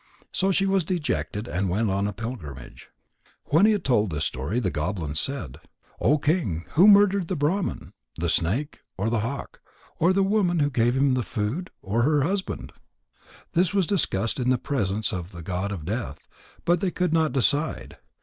So she was dejected and went on a pilgrimage. When he had told this story, the goblin said: "O King, who murdered the Brahman? the snake, or the hawk, or the woman who gave him the food, or her husband? This was discussed in the presence of the god of death, but they could not decide.